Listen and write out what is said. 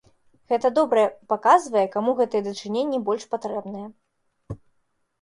Гэта добра паказвае, каму гэтыя дачыненні больш патрэбныя.